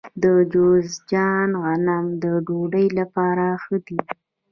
د جوزجان غنم د ډوډۍ لپاره ښه دي.